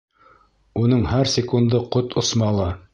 Уның һәр секунды ҡот осмалы.